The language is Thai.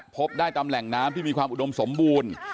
พบได้ตามแหล่งน้ำที่มีความอุดมสมบูรณ์